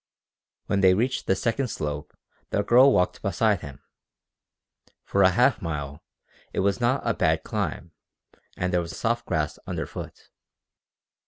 When they reached the second slope the girl walked beside him. For a half mile it was not a bad climb and there was soft grass underfoot.